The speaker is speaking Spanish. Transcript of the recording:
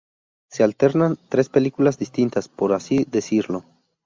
Se alternan tres películas distintas, por así decirlo.